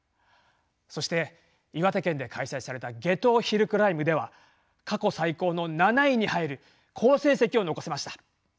そして岩手県で開催された夏油ヒルクライムでは過去最高の７位に入る好成績を残せました。